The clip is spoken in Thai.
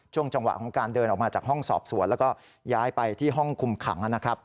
จังหวะของการเดินออกมาจากห้องสอบสวนแล้วก็ย้ายไปที่ห้องคุมขังนะครับ